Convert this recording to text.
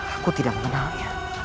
aku tidak mengenalnya